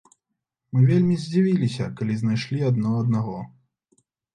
Мы вельмі здзівіліся, калі знайшлі адно аднаго.